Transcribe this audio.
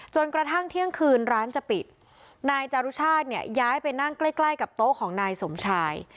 จนกระทั่งเที่ยงคืนร้านจะปิดนายจารุชาติเนี่ยย้ายไปนั่งใกล้ใกล้กับโต๊ะของนายสมชาย